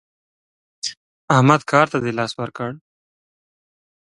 احمده کار ته دې لاس ورکړ؟